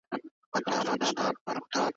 پلان جوړول د بریالیتوب پیلامه ده.